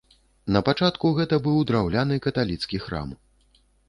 Напачатку гэта быў драўляны каталіцкі храм.